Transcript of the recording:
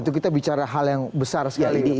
kita bicara hal yang besar sekali